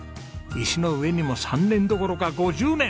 石の上にも三年どころか５０年！